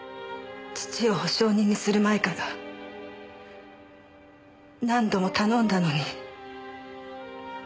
父を保証人にする前から何度も頼んだのに。